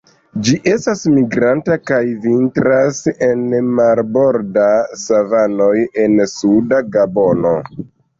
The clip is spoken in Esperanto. Ĝi estas migranta, kaj vintras en marbordaj savanoj en suda Gabono.